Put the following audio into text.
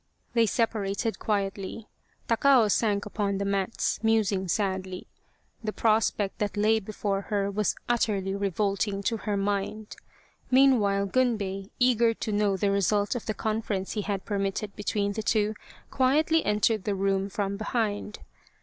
They separated quietly. Takao sank upon the mats, musing sadly. The prospect that lay before her was utterly revolting to her mind. Meanwhile Gunbei, eager to know the result of the conference he had permitted between the two, quietly entered the room from behind.